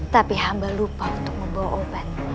tapi hamba lupa untuk membawa obat